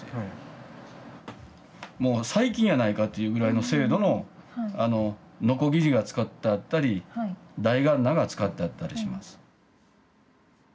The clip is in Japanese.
もう最近やないかっていうぐらいの精度のノコギリが使ってあったり台鉋が使ってあったりします。